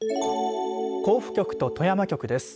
甲府局と富山局です。